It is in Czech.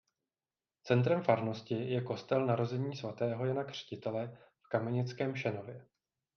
Centrem farnosti je kostel Narození svatého Jana Křtitele v Kamenickém Šenově.